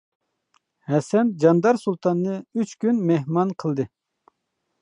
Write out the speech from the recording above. ھەسەن جاندار سۇلتاننى ئۈچ كۈن مېھمان قىلدى.